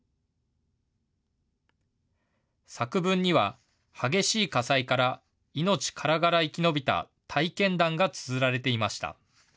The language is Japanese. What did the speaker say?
作文には激しい火災から命からがら生き延びた体験談がつづられていました。